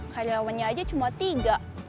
karyawannya aja cuma tiga